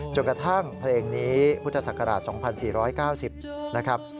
จนกระทั่งเพลงนี้พุทธศักราช๒๔๙๐นะครับ